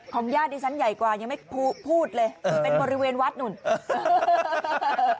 ญาติดิฉันใหญ่กว่ายังไม่พูดเลยเป็นบริเวณวัดนู่น